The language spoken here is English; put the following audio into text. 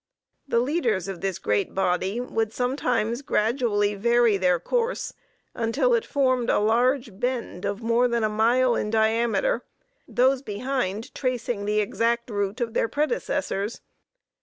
The leaders of this great body would sometimes gradually vary their course until it formed a large bend of more than a mile in diameter, those behind tracing the exact route of their predecessors.